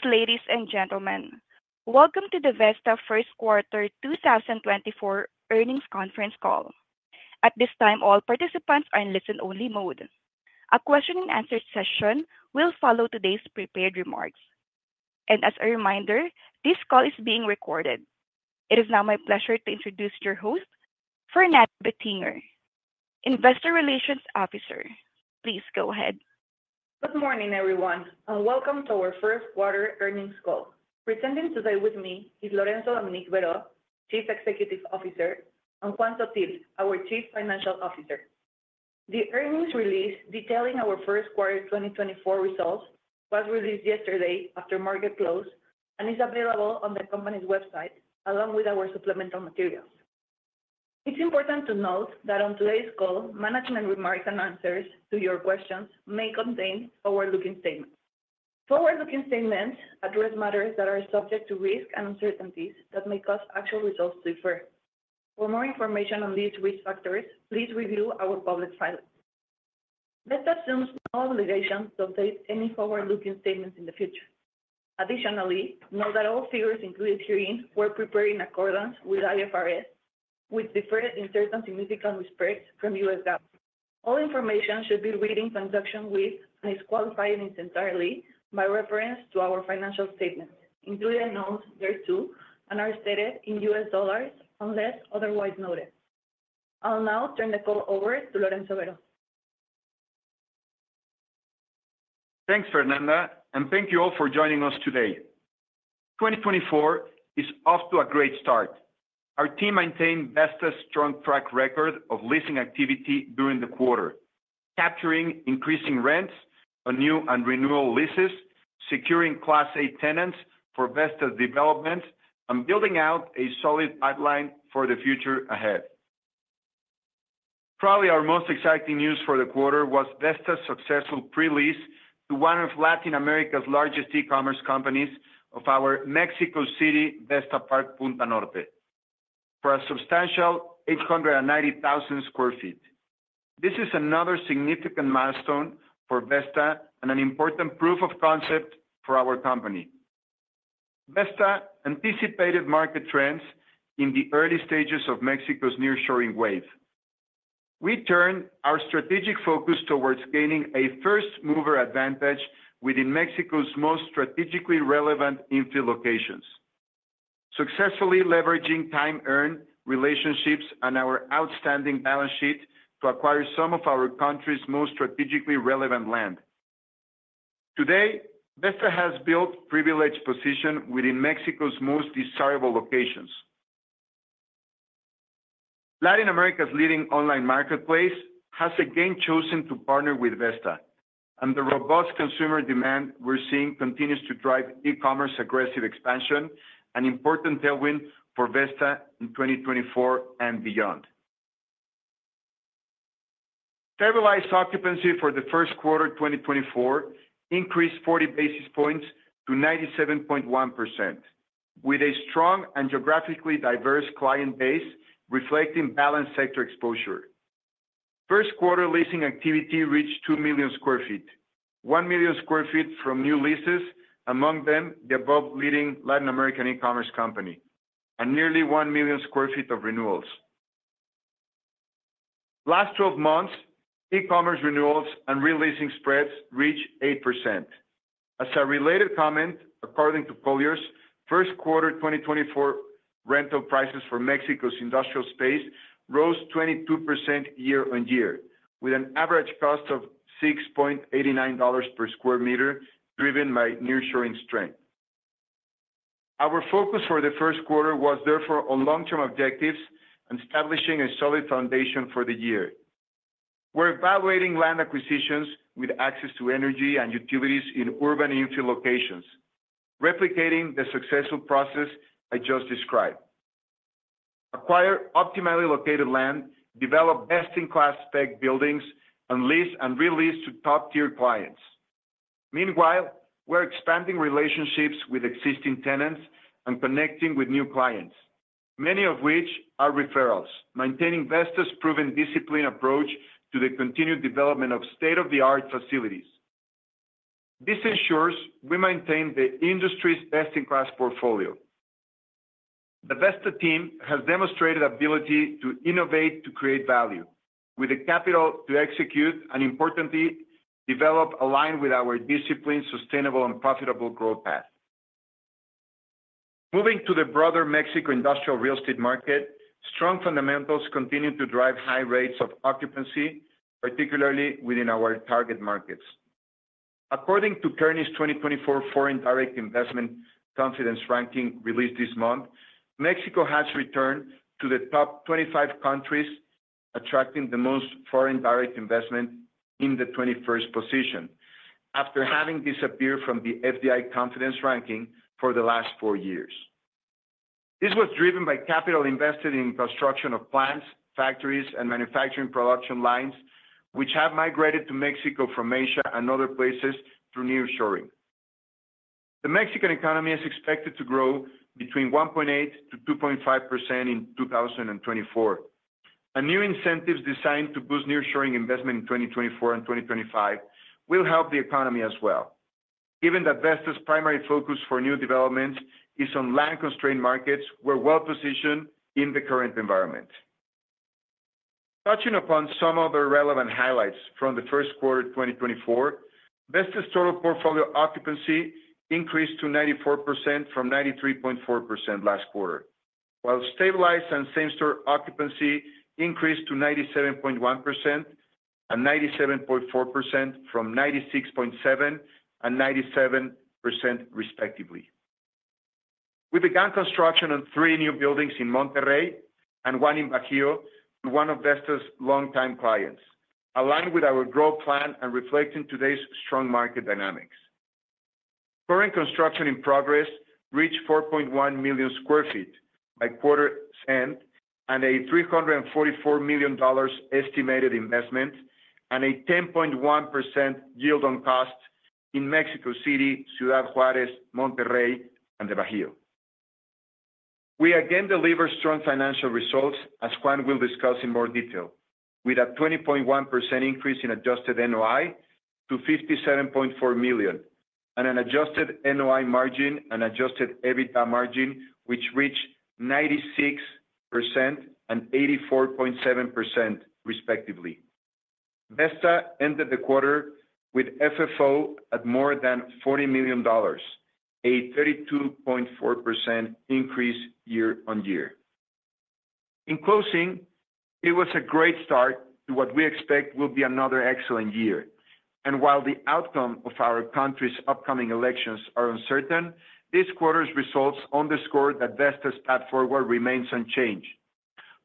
Greetings, ladies and gentlemen. Welcome to the Vesta first quarter 2024 earnings conference call. At this time, all participants are in listen-only mode. A question and answer session will follow today's prepared remarks. As a reminder, this call is being recorded. It is now my pleasure to introduce your host, Fernanda Bettinger, Investor Relations Officer. Please go ahead. Good morning, everyone, and welcome to our first quarter earnings call. Presenting today with me is Lorenzo D. Berho, Chief Executive Officer, and Juan Sottil, our Chief Financial Officer. The earnings release detailing our first quarter 2024 results was released yesterday after market close and is available on the company's website, along with our supplemental materials. It's important to note that on today's call, management remarks and answers to your questions may contain forward-looking statements. Forward-looking statements address matters that are subject to risks and uncertainties that may cause actual results to differ. For more information on these risk factors, please review our public filings. Vesta assumes no obligation to update any forward-looking statements in the future. Additionally, note that all figures included herein were prepared in accordance with IFRS, which differ in certain significant respects from U.S. GAAP. All information should be read in conjunction with and is qualified in its entirety by reference to our financial statements, including Notes three and two, and are stated in U.S. dollars unless otherwise noted. I'll now turn the call over to Lorenzo Berho. Thanks, Fernanda, and thank you all for joining us today. 2024 is off to a great start. Our team maintained Vesta's strong track record of leasing activity during the quarter, capturing increasing rents on new and renewal leases, securing Class A tenants for Vesta's development, and building out a solid pipeline for the future ahead. Probably our most exciting news for the quarter was Vesta's successful pre-lease to one of Latin America's largest e-commerce companies of our Mexico City Vesta Park Punta Norte for a substantial 890,000 sq ft. This is another significant milestone for Vesta and an important proof of concept for our company. Vesta anticipated market trends in the early stages of Mexico's nearshoring wave. We turned our strategic focus towards gaining a first-mover advantage within Mexico's most strategically relevant infill locations, successfully leveraging time, team, relationships, and our outstanding balance sheet to acquire some of our country's most strategically relevant land. Today, Vesta has built privileged position within Mexico's most desirable locations. Latin America's leading online marketplace has again chosen to partner with Vesta, and the robust consumer demand we're seeing continues to drive e-commerce aggressive expansion, an important tailwind for Vesta in 2024 and beyond. Stabilized occupancy for the first quarter 2024 increased 40 basis points to 97.1%, with a strong and geographically diverse client base, reflecting balanced sector exposure. First quarter leasing activity reached two million sq ft, one million sq ft from new leases, among them, the above leading Latin American e-commerce company, and nearly one million sq ft of renewals. Last 12 months, e-commerce renewals and re-leasing spreads reached 8%. As a related comment, according to Colliers, first quarter 2024 rental prices for Mexico's industrial space rose 22% year-on-year, with an average cost of $6.89 per square meter, driven by nearshoring strength. Our focus for the first quarter was therefore on long-term objectives and establishing a solid foundation for the year. We're evaluating land acquisitions with access to energy and utilities in urban infill locations, replicating the successful process I just described. Acquire optimally located land, develop best-in-class spec buildings, and lease and re-lease to top-tier clients. Meanwhile, we're expanding relationships with existing tenants and connecting with new clients, many of which are referrals, maintaining Vesta's proven discipline approach to the continued development of state-of-the-art facilities. This ensures we maintain the industry's best-in-class portfolio. The Vesta team has demonstrated ability to innovate, to create value with the capital to execute, and importantly, develop aligned with our discipline, sustainable, and profitable growth path. Moving to the broader Mexico industrial real estate market, strong fundamentals continue to drive high rates of occupancy, particularly within our target markets. According to Kearney's 2024 Foreign Direct Investment Confidence Ranking, released this month, Mexico has returned to the top 25 countries, attracting the most foreign direct investment in the 21st position, after having disappeared from the FDI Confidence Ranking for the last four years. This was driven by capital invested in construction of plants, factories, and manufacturing production lines, which have migrated to Mexico from Asia and other places through nearshoring. The Mexican economy is expected to grow between 1.8% to 2.5% in 2024. New incentives designed to boost nearshoring investment in 2024 and 2025 will help the economy as well. Given that Vesta's primary focus for new developments is on land-constrained markets, we're well-positioned in the current environment. Touching upon some other relevant highlights from the first quarter of 2024, Vesta's total portfolio occupancy increased to 94% from 93.4% last quarter. While stabilized and same-store occupancy increased to 97.1% and 97.4% from 96.7% and 97%, respectively. We began construction on three new buildings in Monterrey and one in Bajío, with one of Vesta's long-time clients, aligned with our growth plan and reflecting today's strong market dynamics. Current construction in progress reached 4.1 million sq ft by quarter end, and a $344 million estimated investment, and a 10.1% yield on cost in Mexico City, Ciudad Juárez, Monterrey, and the Bajío. We again delivered strong financial results, as Juan will discuss in more detail. With a 20.1% increase in adjusted NOI to $57.4 million, and an adjusted NOI margin and adjusted EBITDA margin, which reached 96% and 84.7%, respectively. Vesta ended the quarter with FFO at more than $40 million, a 32.4% increase year-on-year. In closing, it was a great start to what we expect will be another excellent year. While the outcome of our country's upcoming elections are uncertain, this quarter's results underscore that Vesta's path forward remains unchanged.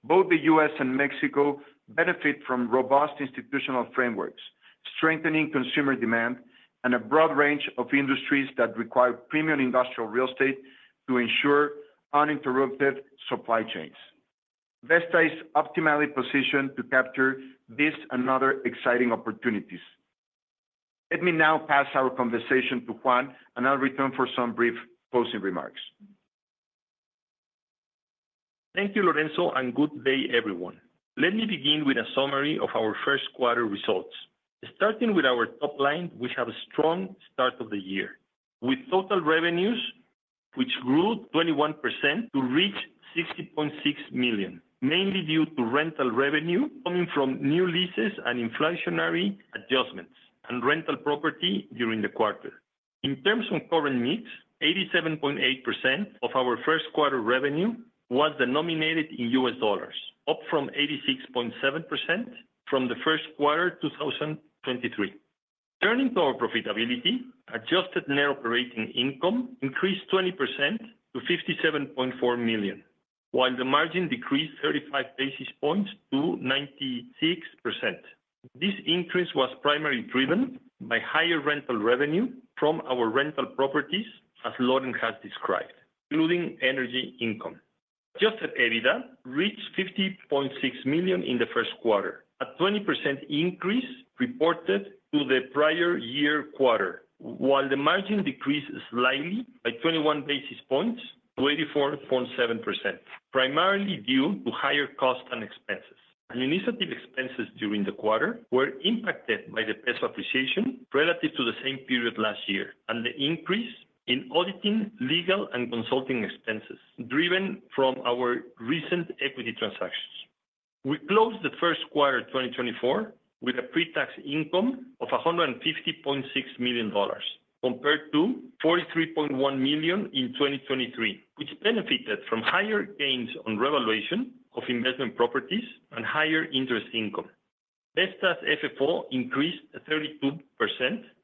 Both the U.S. and Mexico benefit from robust institutional frameworks, strengthening consumer demand, and a broad range of industries that require premium industrial real estate to ensure uninterrupted supply chains. Vesta is optimally positioned to capture this and other exciting opportunities. Let me now pass our conversation to Juan, and I'll return for some brief closing remarks. Thank you, Lorenzo, and good day, everyone. Let me begin with a summary of our first quarter results. Starting with our top line, we have a strong start of the year, with total revenues which grew 21% to reach $60.6 million, mainly due to rental revenue coming from new leases and inflationary adjustments on rental property during the quarter. In terms of current mix, 87.8% of our first quarter revenue was denominated in US dollars, up from 86.7% from the first quarter of 2023. Turning to our profitability, adjusted net operating income increased 20% to $57.4 million, while the margin decreased 35 basis points to 96%. This increase was primarily driven by higher rental revenue from our rental properties, as Loren has described, including energy income. Adjusted EBITDA reached $50.6 million in the first quarter, a 20% increase reported to the prior year quarter, while the margin decreased slightly by 21 basis points to 84.7%, primarily due to higher costs and expenses. Administrative expenses during the quarter were impacted by the peso appreciation relative to the same period last year, and the increase in auditing, legal, and consulting expenses driven from our recent equity transactions. We closed the first quarter of 2024 with a pre-tax income of $150.6 million, compared to $43.1 million in 2023, which benefited from higher gains on revaluation of investment properties and higher interest income. Vesta's FFO increased at 32%,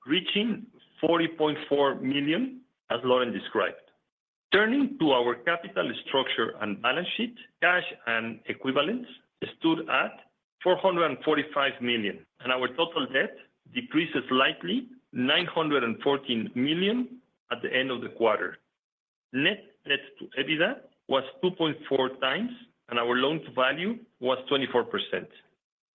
reaching $40.4 million, as Loren described. Turning to our capital structure and balance sheet, cash and equivalents stood at $445 million, and our total debt decreased slightly, $914 million at the end of the quarter. Net debt to EBITDA was 2.4 times, and our loan-to-value was 24%.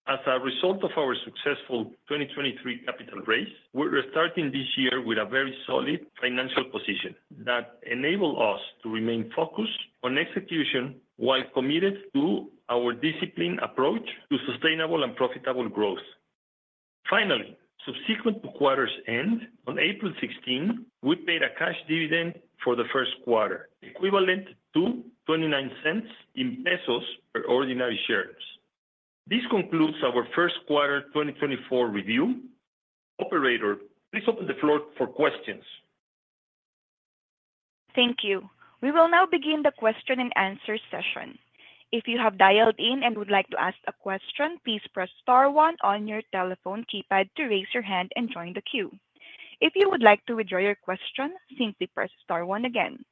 As a result of our successful 2023 capital raise, we're starting this year with a very solid financial position that enable us to remain focused on execution, while committed to our disciplined approach to sustainable and profitable growth. Finally, subsequent to quarter's end, on April 16, we paid a cash dividend for the first quarter, equivalent to 0.29 per ordinary shares. This concludes our first quarter 2024 review. Operator, please open the floor for questions. Thank you. We will now begin the question-and-answer session. If you have dialed in and would like to ask a question, please press star one on your telephone keypad to raise your hand and join the queue. If you would like to withdraw your question, simply press star one again.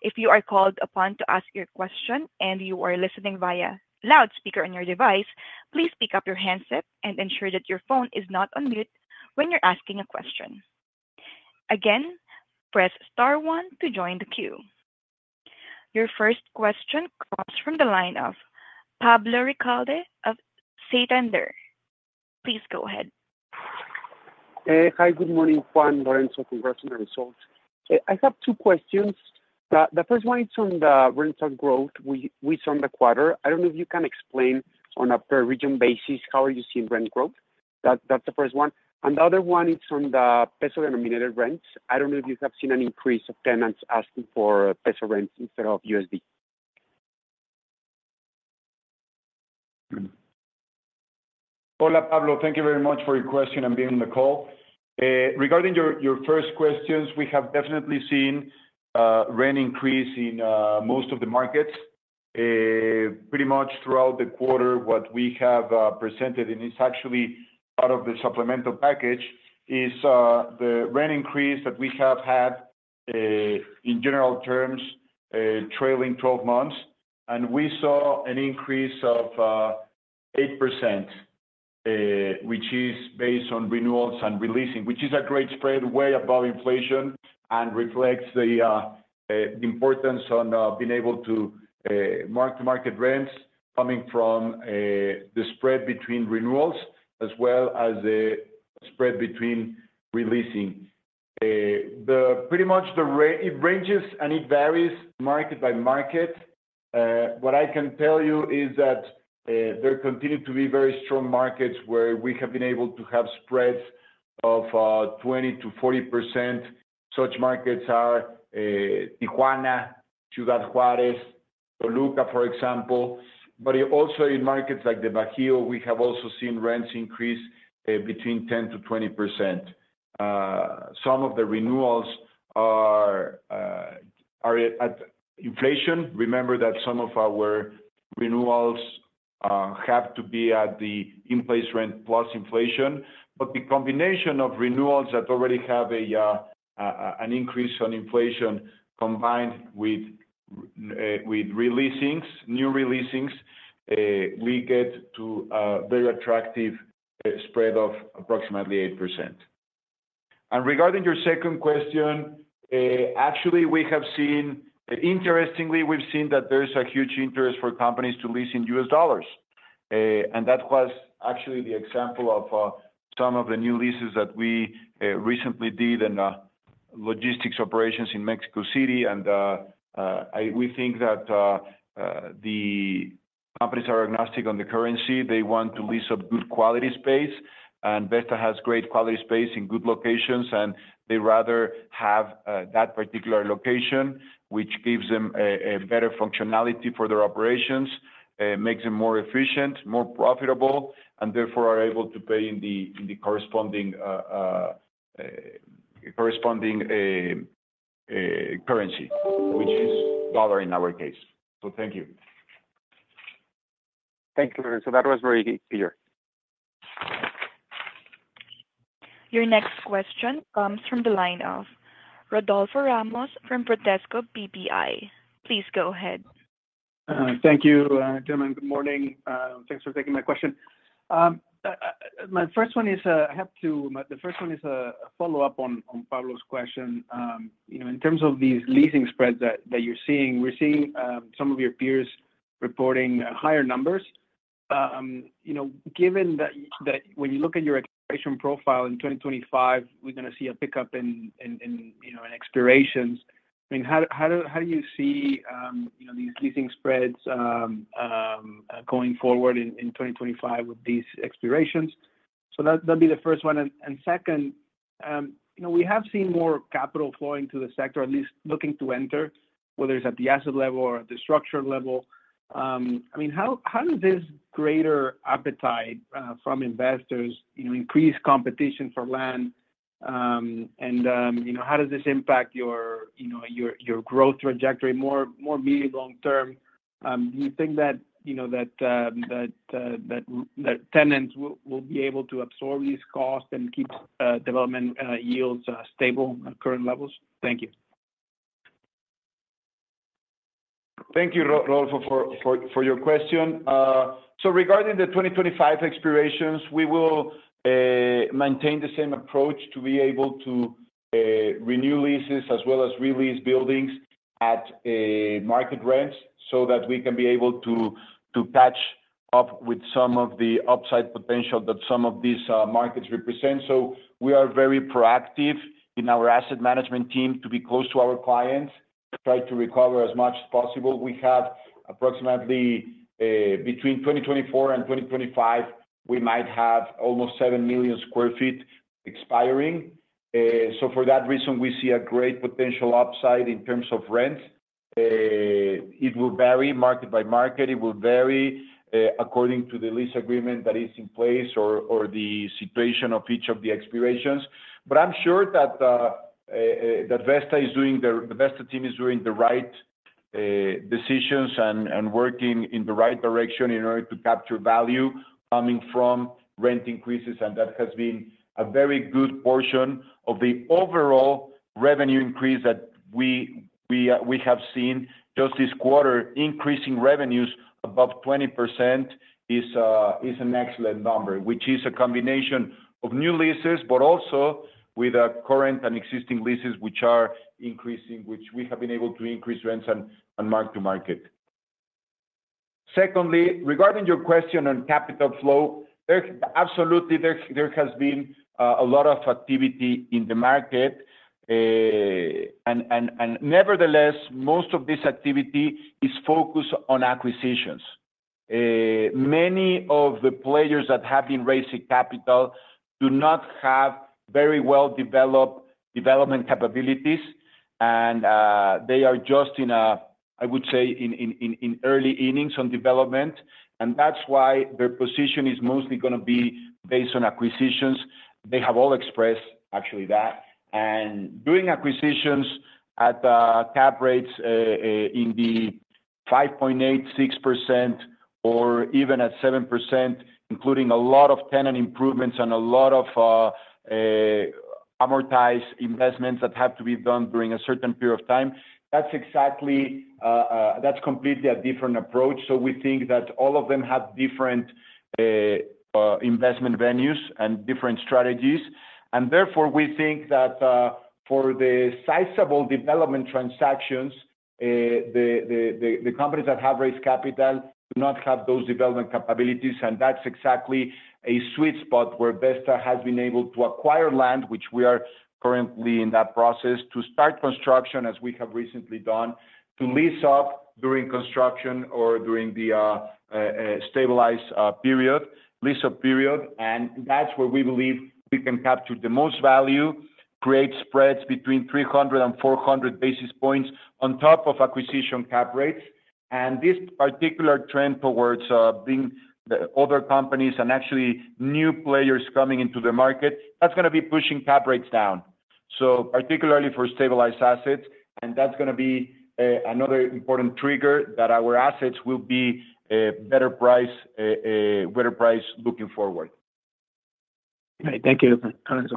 If you are called upon to ask your question and you are listening via loudspeaker on your device, please pick up your handset and ensure that your phone is not on mute when you're asking a question. Again, press star one to join the queue. Your first question comes from the line of Pablo Ricalde of Santander. Please go ahead.... Hey. Hi, good morning, Juan Lorenzo. Congrats on the results. I have two questions. The first one is on the rental growth we saw in the quarter. I don't know if you can explain on a per region basis, how are you seeing rent growth? That's the first one. And the other one is on the peso-denominated rents. I don't know if you have seen an increase of tenants asking for peso rents instead of USD. Hola, Pablo. Thank you very much for your question and being on the call. Regarding your first questions, we have definitely seen rent increase in most of the markets. Pretty much throughout the quarter, what we have presented, and it's actually out of the supplemental package, is the rent increase that we have had in general terms, trailing twelve months. And we saw an increase of 8%, which is based on renewals and re-leasing, which is a great spread, way above inflation, and reflects the importance on being able to mark-to-market rents coming from the spread between renewals as well as the spread between re-leasing. Pretty much it ranges and it varies market by market. What I can tell you is that there continue to be very strong markets where we have been able to have spreads of 20% to 40%. Such markets are Tijuana, Ciudad Juárez, Toluca, for example. But also in markets like the Bajío, we have also seen rents increase between 10% to 20%. Some of the renewals are at inflation. Remember that some of our renewals have to be at the in-place rent plus inflation. But the combination of renewals that already have an increase on inflation, combined with re-leasings, new re-leasings, we get to a very attractive spread of approximately 8%. And regarding your second question, actually, we have seen... Interestingly, we've seen that there's a huge interest for companies to lease in US dollars. That was actually the example of some of the new leases that we recently did in logistics operations in Mexico City. We think that the companies are agnostic on the currency. They want to lease up good quality space, and Vesta has great quality space in good locations, and they rather have that particular location, which gives them a better functionality for their operations, makes them more efficient, more profitable, and therefore are able to pay in the corresponding currency, which is dollar in our case. Thank you. Thank you. So that was very clear. Your next question comes from the line of Rodolfo Ramos from Bradesco BBI. Please go ahead. Thank you, gentlemen. Good morning. Thanks for taking my question. My first one is a follow-up on Pablo's question. You know, in terms of these leasing spreads that you're seeing, we're seeing some of your peers reporting higher numbers. You know, given that when you look at your expiration profile in 2025, we're gonna see a pickup in you know, in expirations. I mean, how do you see you know, these leasing spreads going forward in 2025 with these expirations? So that'd be the first one. And second, you know, we have seen more capital flowing to the sector, at least looking to enter, whether it's at the asset level or at the structure level. I mean, how does this greater appetite from investors, you know, increase competition for land? And, you know, how does this impact your, you know, your growth trajectory more medium long term? Do you think that, you know, that tenants will be able to absorb these costs and keep development yields stable at current levels? Thank you. Thank you, Rodolfo, for your question. So regarding the 2025 expirations, we will maintain the same approach to be able to renew leases as well as re-lease buildings at market rents, so that we can be able to catch up with some of the upside potential that some of these markets represent. So we are very proactive in our asset management team to be close to our clients, try to recover as much as possible. We have approximately, between 2024 and 2025, we might have almost 7 million sq ft expiring. So for that reason, we see a great potential upside in terms of rent. It will vary market by market. It will vary according to the lease agreement that is in place or the situation of each of the expirations. But I'm sure that that Vesta is doing the-- the Vesta team is doing the right decisions and working in the right direction in order to capture value coming from rent increases, and that has been a very good portion of the overall revenue increase that we we have seen just this quarter. Increasing revenues above 20% is an excellent number, which is a combination of new leases, but also with current and existing leases, which are increasing, which we have been able to increase rents and mark to market.... Secondly, regarding your question on capital flow, there's-- absolutely, there has been a lot of activity in the market and nevertheless, most of this activity is focused on acquisitions. Many of the players that have been raising capital do not have very well-developed development capabilities, and they are just in a, I would say, early innings on development, and that's why their position is mostly gonna be based on acquisitions. They have all expressed actually that. And doing acquisitions at cap rates in the 5.8% to 6%, or even at 7%, including a lot of tenant improvements and a lot of amortized investments that have to be done during a certain period of time, that's exactly that's completely a different approach. So we think that all of them have different investment venues and different strategies. Therefore, we think that, for the sizable development transactions, the companies that have raised capital do not have those development capabilities, and that's exactly a sweet spot where Vesta has been able to acquire land, which we are currently in that process, to start construction, as we have recently done, to lease-up during construction or during the stabilized period, lease-up period. And that's where we believe we can capture the most value, create spreads between 300 and 400 basis points on top of acquisition cap rates. And this particular trend towards being the other companies and actually new players coming into the market, that's gonna be pushing cap rates down, so particularly for stabilized assets. That's gonna be another important trigger that our assets will be better priced looking forward. All right. Thank you, Lorenzo.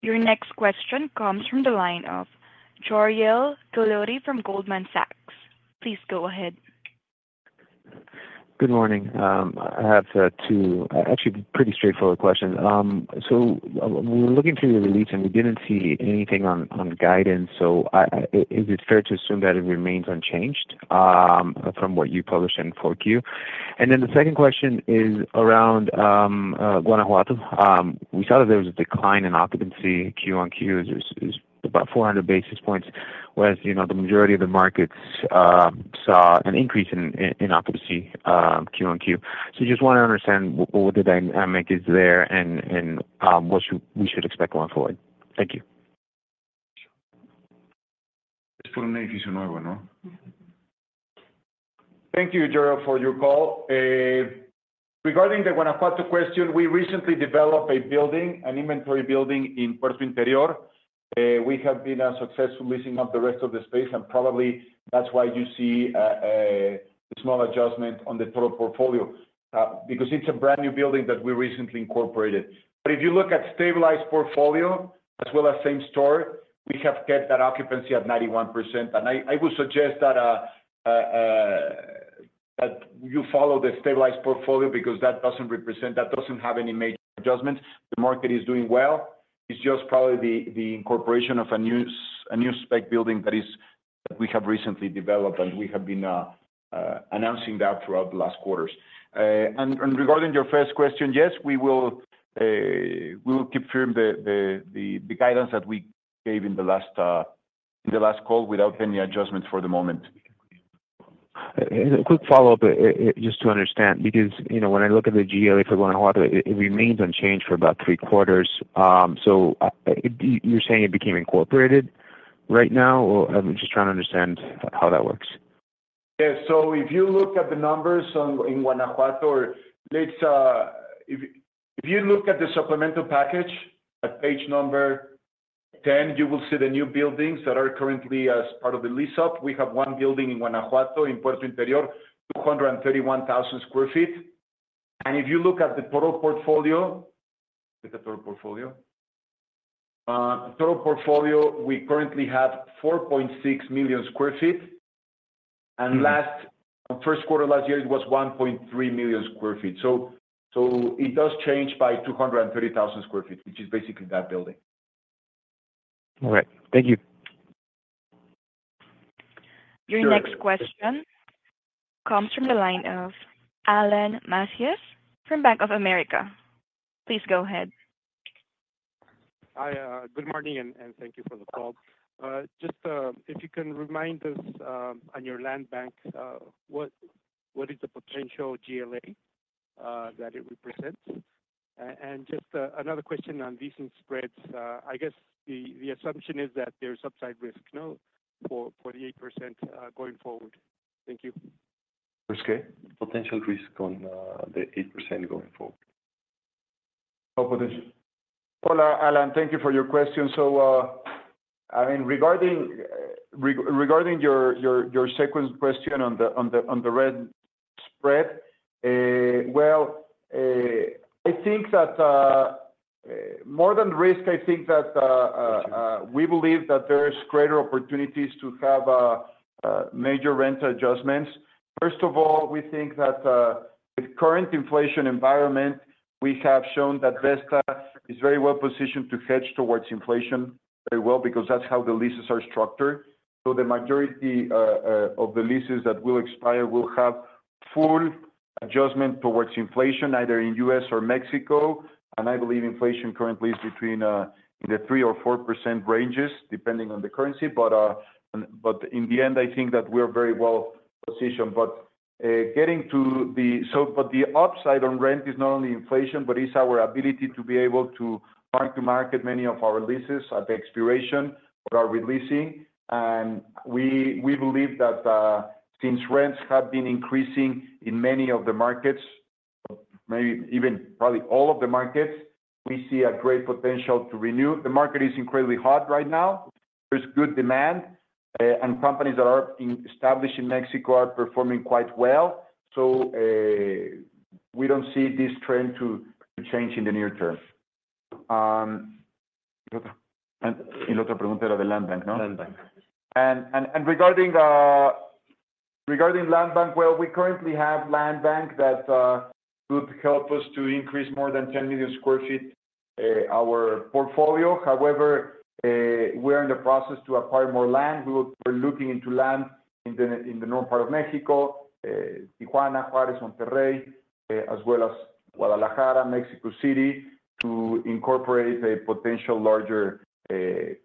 Your next question comes from the line of Jorel Guilloty from Goldman Sachs. Please go ahead. Good morning. I have two actually pretty straightforward questions. So we were looking through your release, and we didn't see anything on guidance, so is it fair to assume that it remains unchanged from what you published in 4Q? And then the second question is around Guanajuato. We saw that there was a decline in occupancy quarter-over-quarter, is about 400 basis points, whereas, you know, the majority of the markets saw an increase in occupancy quarter-over-quarter. So just wanna understand what the dynamic is there and what we should expect going forward. Thank you. Thank you, Jorel, for your call. Regarding the Guanajuato question, we recently developed a building, an inventory building in Puerto Interior. We have been successfully leasing up the rest of the space, and probably that's why you see a small adjustment on the total portfolio, because it's a brand-new building that we recently incorporated. But if you look at stabilized portfolio as well as same store, we have kept that occupancy at 91%. And I would suggest that you follow the stabilized portfolio because that doesn't represent, that doesn't have any major adjustments. The market is doing well. It's just probably the incorporation of a new spec building that we have recently developed, and we have been announcing that throughout the last quarters. And regarding your first question, yes, we will keep firm the guidance that we gave in the last call without any adjustments for the moment. And a quick follow-up, just to understand, because, you know, when I look at the GLA for Guanajuato, it remains unchanged for about three quarters. So, you're saying it became incorporated right now? Or I'm just trying to understand how that works. Yeah. So if you look at the numbers on, in Guanajuato, or let's, if you look at the supplemental package at page 10, you will see the new buildings that are currently as part of the lease-up. We have one building in Guanajuato, in Puerto Interior, 231,000 sq ft. And if you look at the total portfolio, look at total portfolio. Total portfolio, we currently have 4.6 million sq ft, and first quarter last year, it was 1.3 million sq ft. So, so it does change by 230,000 sq ft, which is basically that building. All right. Thank you. Your next question comes from the line of Alan Macias from Bank of America. Please go ahead. Hi, good morning, and thank you for the call. Just, if you can remind us on your land bank, what is the potential GLA that it represents? And just another question on recent spreads. I guess the assumption is that there's upside risk, no? For 48%, going forward. Thank you. Risk, eh? Potential risk on the 8% going forward. Hola, Alan. Thank you for your question. So, I mean, regarding your second question on the rent spread, well, I think that more than risk, I think that we believe that there is greater opportunities to have major rent adjustments. First of all, we think that with current inflation environment, we have shown that Vesta is very well positioned to hedge towards inflation very well, because that's how the leases are structured. So the majority of the leases that will expire will have full adjustment towards inflation, either in U.S. or Mexico. And I believe inflation currently is in the 3% or 4% ranges, depending on the currency. But in the end, I think that we are very well positioned. But, getting to the—so but the upside on rent is not only inflation, but it's our ability to be able to mark to market many of our leases at the expiration or are re-leasing. And we, we believe that, since rents have been increasing in many of the markets, maybe even probably all of the markets, we see a great potential to renew. The market is incredibly hot right now. There's good demand, and companies that are established in Mexico are performing quite well. So, we don't see this trend to, to change in the near term. Land Bank, no? Land Bank. Regarding land bank, well, we currently have land bank that would help us to increase more than 10 million sq ft our portfolio. However, we are in the process to acquire more land. We are looking into land in the north part of Mexico, Tijuana, Juárez, Monterrey, as well as Guadalajara, Mexico City, to incorporate a potential larger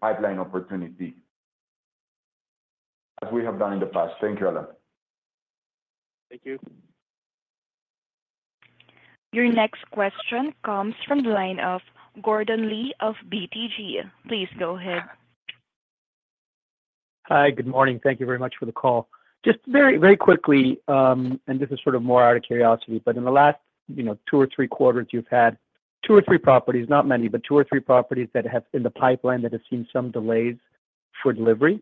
pipeline opportunity, as we have done in the past. Thank you, Alan. Thank you. Your next question comes from the line of Gordon Lee of BTG. Please go ahead. Hi, good morning. Thank you very much for the call. Just very, very quickly, and this is sort of more out of curiosity, but in the last, you know, two or three quarters, you've had two or three properties, not many, but two or three properties that have in the pipeline that have seen some delays for delivery.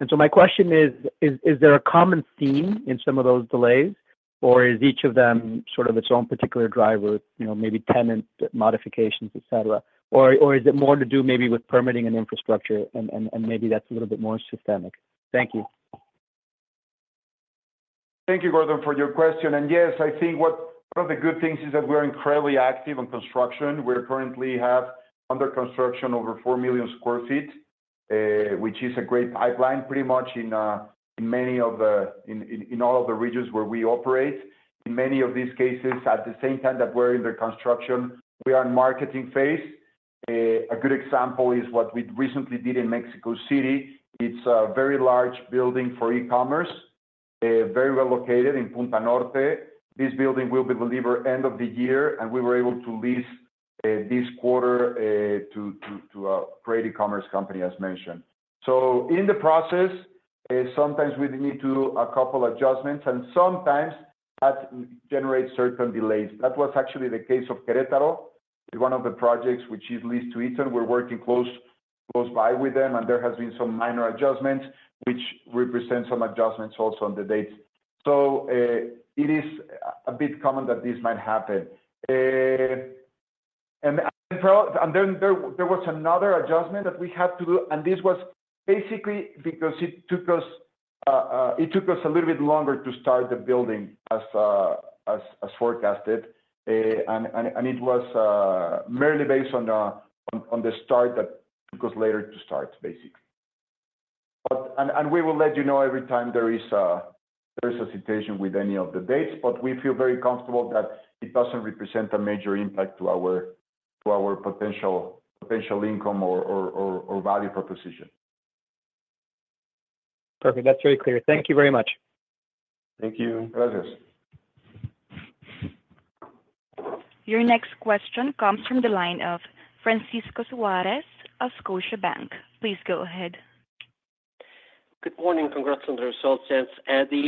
And so my question is: Is, is there a common theme in some of those delays, or is each of them sort of its own particular driver, you know, maybe tenant modifications, et cetera? Or, or is it more to do maybe with permitting and infrastructure, and, and, and maybe that's a little bit more systemic? Thank you. Thank you, Gordon, for your question. And yes, I think what one of the good things is that we're incredibly active on construction. We currently have under construction over 4 million sq ft, which is a great pipeline, pretty much in all of the regions where we operate. In many of these cases, at the same time that we're in the construction, we are in marketing phase. A good example is what we recently did in Mexico City. It's a very large building for e-commerce, very well located in Punta Norte. This building will be delivered end of the year, and we were able to lease this quarter to a great e-commerce company, as mentioned. So in the process, sometimes we need to do a couple adjustments, and sometimes that generates certain delays. That was actually the case of Querétaro, one of the projects which is leased to Eaton. We're working closely with them, and there has been some minor adjustments, which represent some adjustments also on the dates. So, it is a bit common that this might happen. And then there was another adjustment that we had to do, and this was basically because it took us a little bit longer to start the building as forecasted. And it was merely based on the start that it was later to start, basically. But... We will let you know every time there is a situation with any of the dates, but we feel very comfortable that it doesn't represent a major impact to our potential income or value proposition. Perfect. That's very clear. Thank you very much. Thank you. Gracias. Your next question comes from the line of Francisco Suárez of Scotiabank. Please go ahead. Good morning. Congrats on the results. And the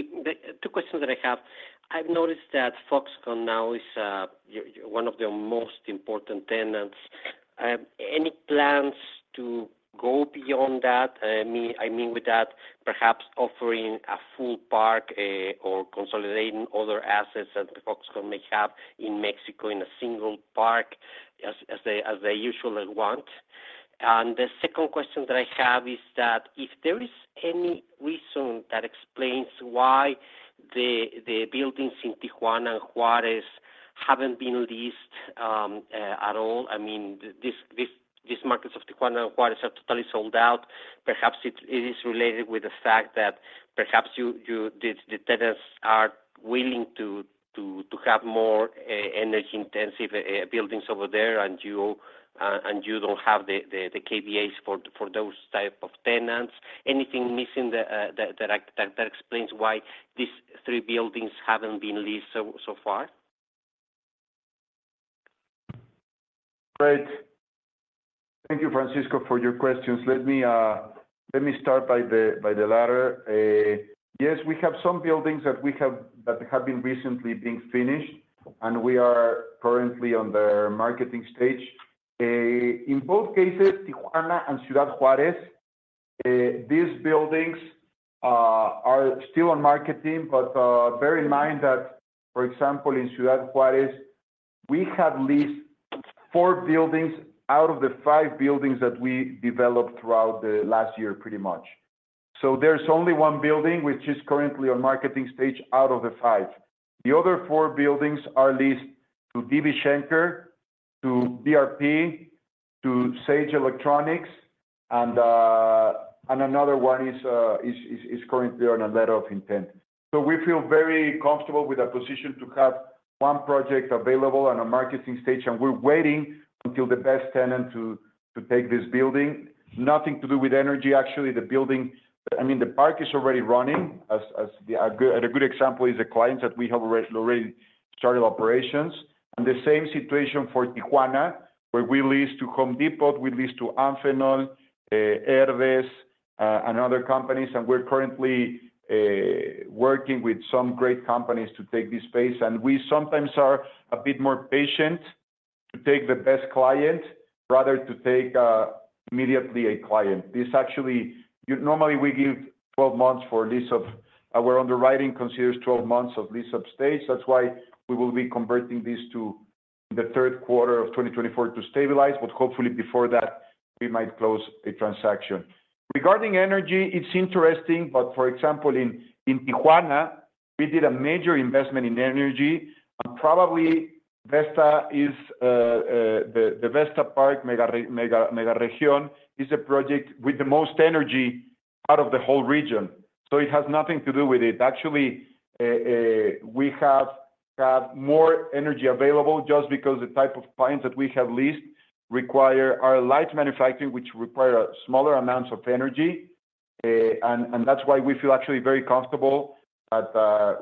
two questions that I have, I've noticed that Foxconn now is your one of your most important tenants. Any plans to go beyond that? I mean, with that, perhaps offering a full park or consolidating other assets that Foxconn may have in Mexico in a single park, as they usually want. And the second question that I have is that, if there is any reason that explains why the buildings in Tijuana and Juárez haven't been leased at all. I mean, these markets of Tijuana and Juárez are totally sold out. Perhaps it is related with the fact that perhaps the tenants are willing to have more energy-intensive buildings over there, and you don't have the kVA for those type of tenants. Anything missing that explains why these three buildings haven't been leased so far? Great. Thank you, Francisco, for your questions. Let me start by the latter. Yes, we have some buildings that have been recently being finished, and we are currently on the marketing stage. In both cases, Tijuana and Ciudad Juárez, these buildings are still on marketing, but bear in mind that, for example, in Ciudad Juárez, we have leased four buildings out of the five buildings that we developed throughout the last year, pretty much. So there's only one building, which is currently on marketing stage, out of the five. The other four buildings are leased to DB Schenker, to BRP, to Sega Electronics, and another one is currently on a letter of intent. So we feel very comfortable with our position to have one project available on a marketing stage, and we're waiting until the best tenant to take this building. Nothing to do with energy, actually, the building. I mean, the park is already running. As a good example is the clients that we have already started operations. And the same situation for Tijuana, where we leased to Home Depot, we leased to Amphenol, Airbus, and other companies. And we're currently working with some great companies to take this space, and we sometimes are a bit more patient to take the best client rather to take immediately a client. This actually. Normally, we give 12 months for a lease-up. Our underwriting considers 12 months of lease-up stage. That's why we will be converting this to the third quarter of 2024 to stabilize, but hopefully before that, we might close a transaction. Regarding energy, it's interesting, but for example, in Tijuana, we did a major investment in energy, and probably Vesta is the Vesta Park Mega Region is a project with the most energy out of the whole region. So it has nothing to do with it. Actually, we have more energy available just because the type of clients that we have leased require a light manufacturing, which require smaller amounts of energy. That's why we feel actually very comfortable that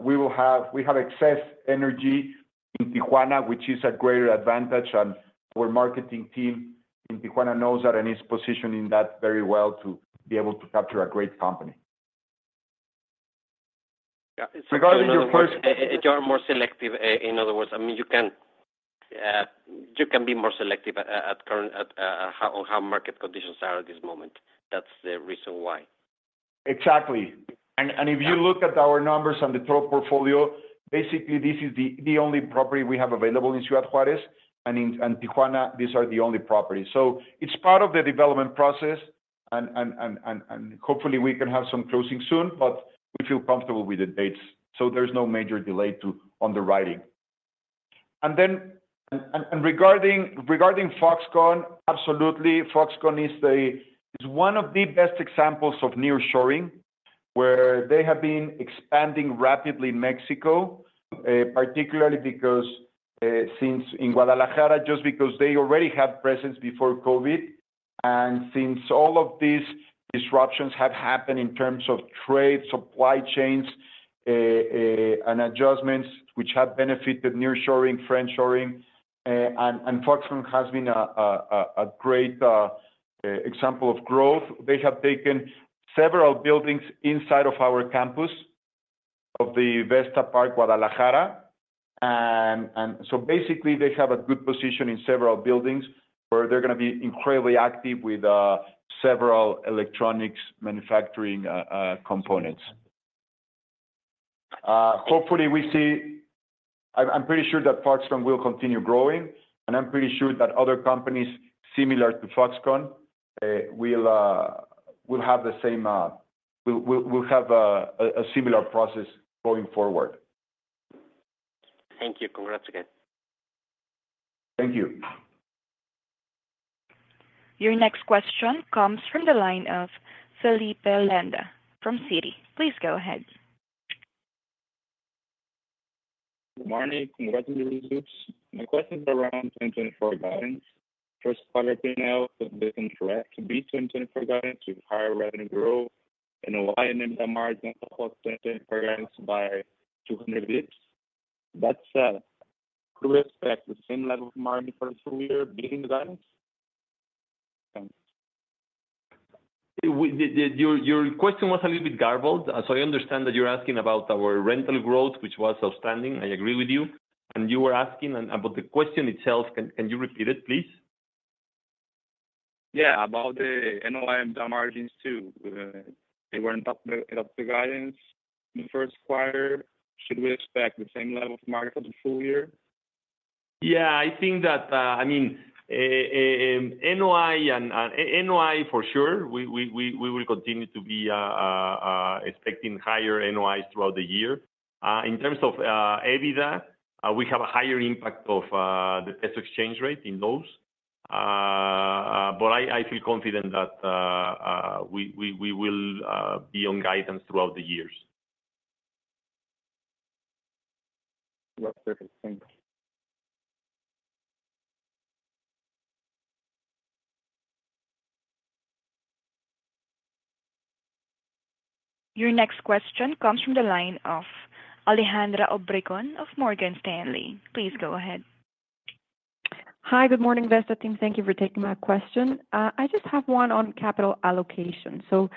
we have excess energy in Tijuana, which is a greater advantage, and our marketing team in Tijuana knows that and is positioning that very well to be able to capture a great company. Yeah. Regarding your first- You are more selective, in other words, I mean, you can be more selective at current how market conditions are at this moment. That's the reason why. Exactly. If you look at our numbers on the trove portfolio, basically, this is the only property we have available in Ciudad Juárez and in Tijuana; these are the only properties. So it's part of the development process, and hopefully we can have some closing soon, but we feel comfortable with the dates, so there's no major delay to underwriting. And then, regarding Foxconn, absolutely, Foxconn is one of the best examples of nearshoring, where they have been expanding rapidly in Mexico, particularly because since in Guadalajara, just because they already had presence before COVID. And since all of these disruptions have happened in terms of trade, supply chains, and adjustments which have benefited nearshoring, friendshoring, and Foxconn has been a great example of growth. They have taken several buildings inside of our campus, of the Vesta Park Guadalajara. And so basically, they have a good position in several buildings, where they're gonna be incredibly active with several electronics manufacturing components. Hopefully, we see... I'm pretty sure that Foxconn will continue growing, and I'm pretty sure that other companies similar to Foxconn will have the same, will have a similar process going forward. Thank you. Congrats again. Thank you. Your next question comes from the line of Felipe Landa from Citi. Please go ahead. Good morning. Congratulations. My question is around 2024 guidance. First quarter P&L, does it expect to beat 2024 guidance with higher revenue growth and a wider NOI margin over 10% guidance by 200 basis points. That's, do we expect the same level of margin for the full year, beating the guidance? Thanks. Your question was a little bit garbled, so I understand that you're asking about our rental growth, which was outstanding. I agree with you. And you were asking about the question itself, can you repeat it, please? Yeah, about the NOI and the margins, too. They were on top of the guidance in the first quarter. Should we expect the same level of margin for the full year? Yeah, I think that, I mean, NOI, for sure, we will continue to be expecting higher NOIs throughout the year. In terms of EBITDA, we have a higher impact of the peso exchange rate in those. But I feel confident that we will be on guidance throughout the years. Well, perfect. Thanks. Your next question comes from the line of Alejandra Obregón of Morgan Stanley. Please go ahead. Hi, good morning, Vesta team. Thank you for taking my question. I just have one on capital allocation. So-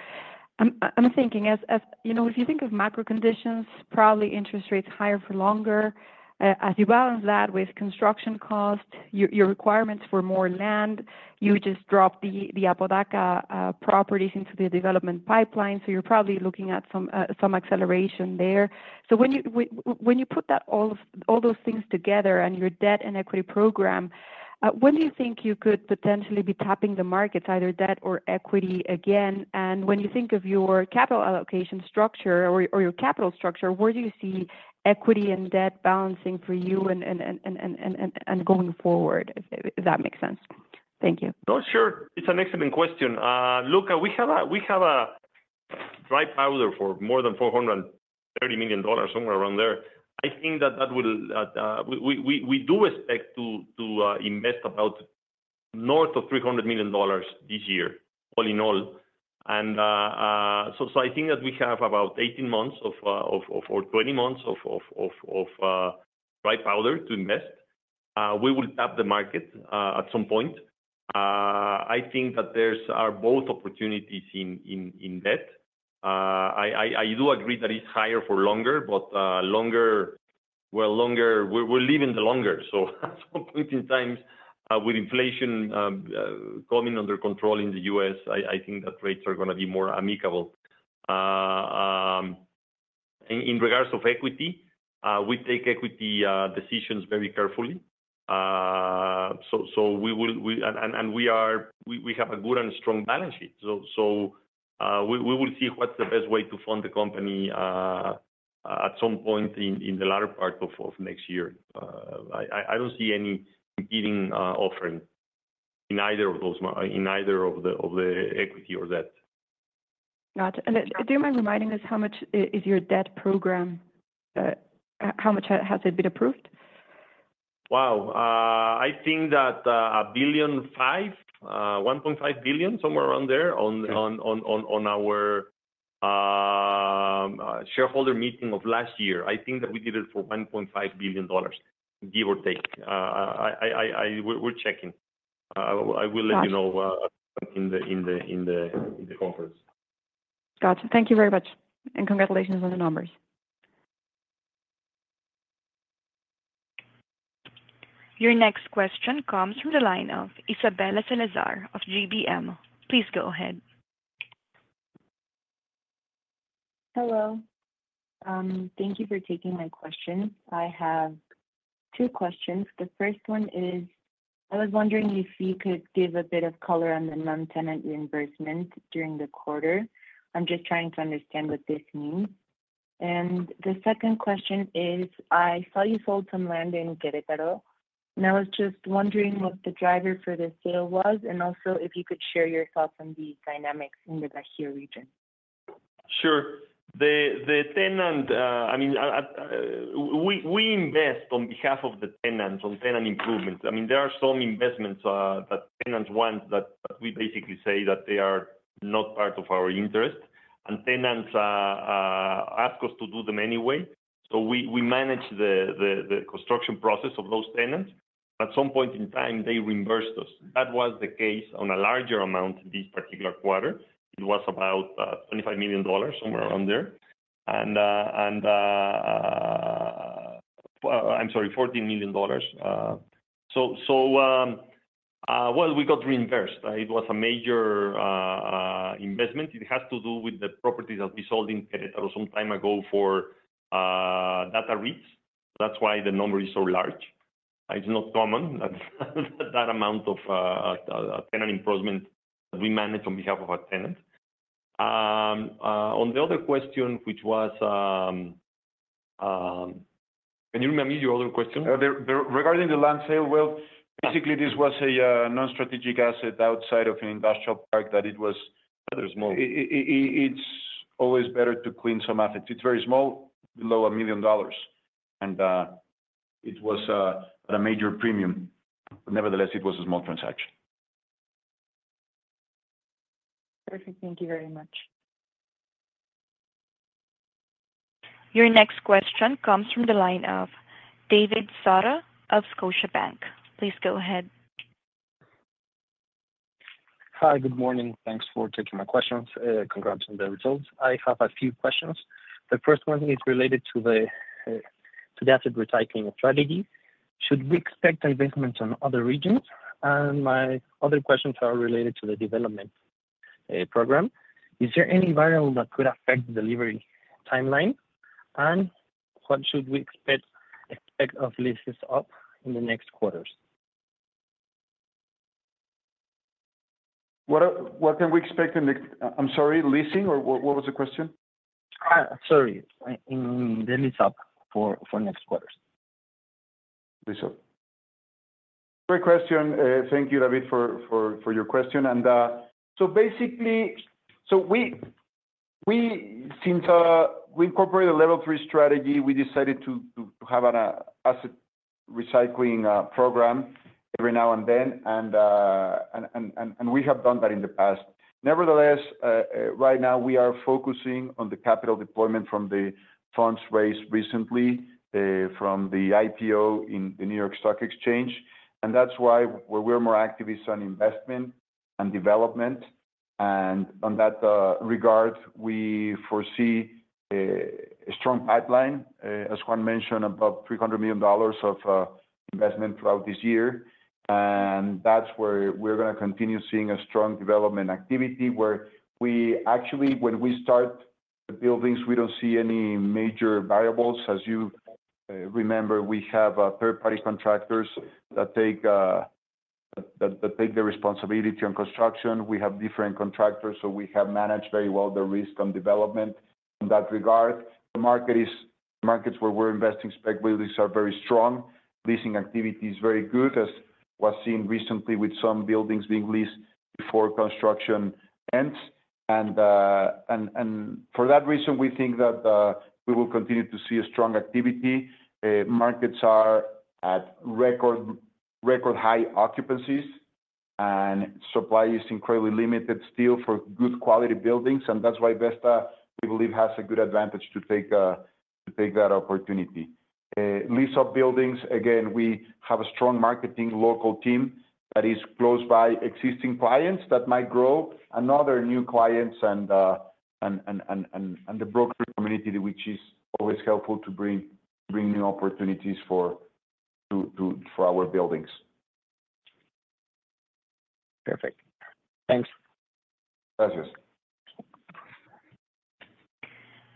I'm thinking as, you know, if you think of macro conditions, probably interest rates higher for longer, as you balance that with construction costs, your requirements for more land, you just drop the Apodaca properties into the development pipeline, so you're probably looking at some acceleration there. So when you put that all those things together and your debt and equity program, when do you think you could potentially be tapping the markets, either debt or equity again? And when you think of your capital allocation structure or your capital structure, where do you see equity and debt balancing for you and going forward, if that makes sense? Thank you. No, sure. It's an excellent question. Look, we have a dry powder for more than $430 million, somewhere around there. I think that will. We do expect to invest about north of $300 million this year, all in all. And, so I think that we have about 18 months or 20 months of dry powder to invest. We will tap the market at some point. I think that there are both opportunities in debt. I do agree that it's higher for longer, but longer, we live in the longer, so at some point in time, with inflation coming under control in the US, I think that rates are gonna be more amicable. In regards of equity, we take equity decisions very carefully. So we will... And we have a good and strong balance sheet. So we will see what's the best way to fund the company at some point in the latter part of next year. I don't see any competing offering in either of those m- in either of the equity or debt. Got it. And do you mind reminding us how much is your debt program, how much has it been approved? Wow! I think that a billion five, 1.5 billion, somewhere around there, on our shareholder meeting of last year. I think that we did it for $1.5 billion, give or take. We're checking. I will let you know in the conference. Gotcha. Thank you very much, and congratulations on the numbers. Your next question comes from the line of Isabella Salazar of GBM. Please go ahead. Hello. Thank you for taking my question. I have two questions. The first one is, I was wondering if you could give a bit of color on the non-tenant reimbursement during the quarter. I'm just trying to understand what this means. The second question is, I saw you sold some land in Querétaro, and I was just wondering what the driver for this sale was, and also if you could share your thoughts on the dynamics in the Bajío region. Sure. The tenant, I mean, we invest on behalf of the tenants, on tenant improvements. I mean, there are some investments that tenants want, that we basically say that they are not part of our interest, and tenants ask us to do them anyway. So we manage the construction process of those tenants. At some point in time, they reimburse us. That was the case on a larger amount this particular quarter. It was about $25 million, somewhere around there. I'm sorry, $14 million. So, well, we got reimbursed. It was a major investment. It has to do with the properties that we sold in Querétaro some time ago for data centers. That's why the number is so large. It's not common, that amount of tenant improvement that we manage on behalf of our tenants. On the other question, which was, can you remind me your other question? The, regarding the land sale, well, basically, this was a non-strategic asset outside of an industrial park, that it was- Very small. It's always better to clean some assets. It's very small, below $1 million, and it was at a major premium, but nevertheless, it was a small transaction. Perfect. Thank you very much. Your next question comes from the line of David Soto of Scotiabank. Please go ahead. Hi, good morning. Thanks for taking my questions. Congrats on the results. I have a few questions. The first one is related to the asset recycling strategy. Should we expect investments on other regions? And my other questions are related to the development program. Is there any variable that could affect the delivery timeline? And what should we expect of lease-ups in the next quarters? What can we expect in the... I'm sorry, leasing, or what was the question? Sorry, the lease-up for next quarters. Lease-up. Great question. Thank you, David, for your question. And so basically, since we incorporated a Level three Strategy, we decided to have an asset recycling program every now and then, and we have done that in the past. Nevertheless, right now we are focusing on the capital deployment from the funds raised recently from the IPO in the New York Stock Exchange, and that's why we're more activist on investment and development.... And on that regard, we foresee a strong pipeline, as Juan mentioned, about $300 million of investment throughout this year. And that's where we're gonna continue seeing a strong development activity, where we actually, when we start the buildings, we don't see any major variables. As you remember, we have third-party contractors that take the responsibility on construction. We have different contractors, so we have managed very well the risk on development in that regard. The markets where we're investing spec releases are very strong. Leasing activity is very good, as was seen recently with some buildings being leased before construction ends. And for that reason, we think that we will continue to see a strong activity. Markets are at record, record high occupancies, and supply is incredibly limited still for good quality buildings, and that's why Vesta, we believe, has a good advantage to take, to take that opportunity. Lease of buildings, again, we have a strong marketing local team that is close by existing clients that might grow, and other new clients and the brokerage community, which is always helpful to bring new opportunities for our buildings. Perfect. Thanks. Gracias.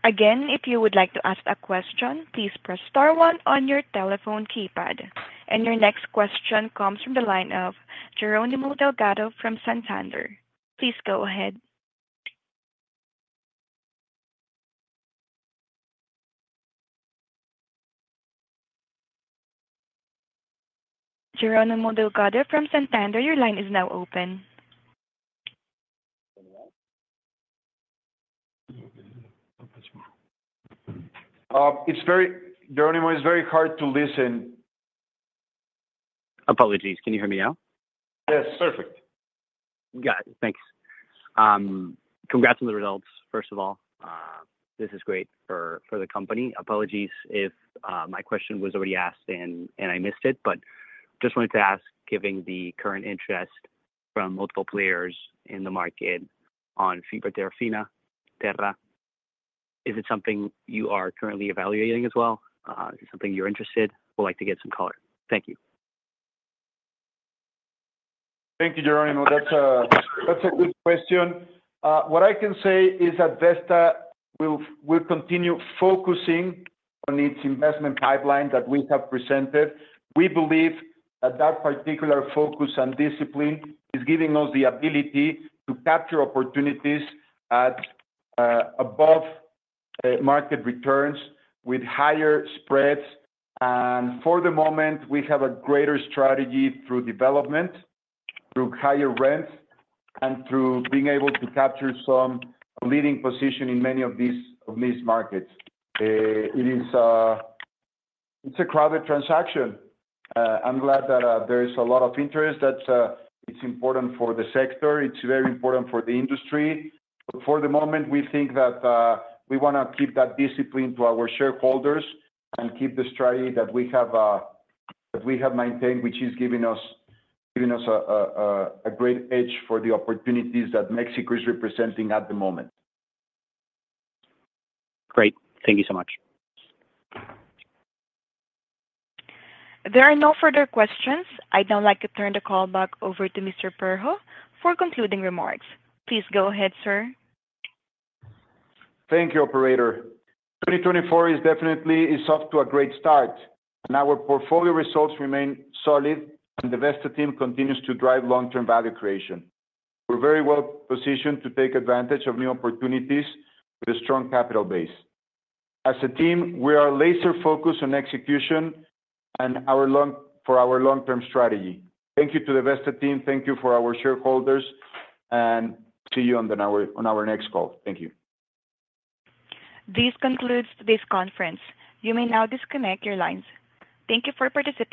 Again, if you would like to ask a question, please press star one on your telephone keypad. And your next question comes from the line of Jerónimo Delgado from Santander. Please go ahead. Jerónimo Delgado from Santander, your line is now open. It's very... Jerónimo, it's very hard to listen. Apologies. Can you hear me now? Yes, perfect. Got it. Thanks. Congrats on the results, first of all. This is great for, for the company. Apologies if my question was already asked and I missed it, but just wanted to ask, given the current interest from multiple players in the market on Fibra Terrafina, is it something you are currently evaluating as well? Is it something you're interested? Would like to get some color. Thank you. Thank you, Jerónimo. That's a, that's a good question. What I can say is that Vesta will continue focusing on its investment pipeline that we have presented. We believe that particular focus and discipline is giving us the ability to capture opportunities at above market returns with higher spreads. And for the moment, we have a greater strategy through development, through higher rents, and through being able to capture some leading position in many of these markets. It is, it's a crowded transaction. I'm glad that there is a lot of interest. That's, it's important for the sector. It's very important for the industry. But for the moment, we think that we wanna keep that discipline to our shareholders and keep the strategy that we have maintained, which is giving us a great edge for the opportunities that Mexico is representing at the moment. Great. Thank you so much. There are no further questions. I'd now like to turn the call back over to Lorenzo Berho for concluding remarks. Please go ahead, sir. Thank you, operator. 2024 is definitely off to a great start, and our portfolio results remain solid, and the Vesta team continues to drive long-term value creation. We're very well positioned to take advantage of new opportunities with a strong capital base. As a team, we are laser focused on execution and our long-term strategy. Thank you to the Vesta team, thank you for our shareholders, and see you on our next call. Thank you. This concludes this conference. You may now disconnect your lines. Thank you for participating.